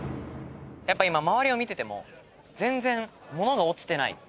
やっぱ今周りを見てても全然物が落ちてない。